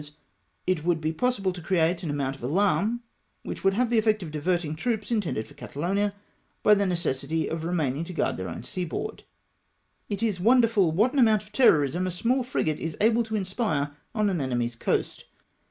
hours, it would be possible to create an amount of alarm, wliicli would have the effect of diverting troops intended for Catalonia, by the necessity of remaining to guard their ovni seaboard. It is wonderful Avhat an amount of terrorism a small frigate is able to inspire on an enemy's coast.